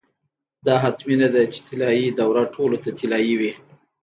دا حتمي نه ده چې طلايي دوره ټولو ته طلايي وي.